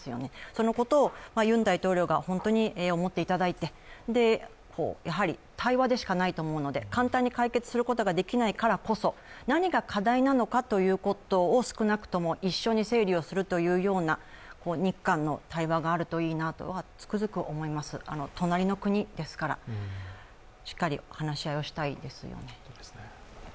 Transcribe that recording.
そのことをユン大統領が本当に思っていただいて、やはり対話でかないと思うので、簡単に解決することができないからこそ何が課題なのかということを少なくとも一緒に整理するというような日韓の対話があるといいなとはつくづく思います、隣の国ですからしっかり話し合いをしたいですよね。